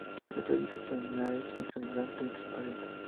Se predice que el NaHe es aislante y transparente.